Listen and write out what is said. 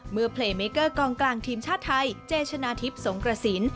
เพลย์เมเกอร์กองกลางทีมชาติไทยเจชนะทิพย์สงกระสิน